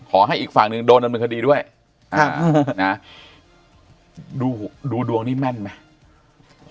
ขอให้อีกฝั่งหนึ่งโดนอำนาจคดีด้วยครับนะดูดวงนี้แม่นไหม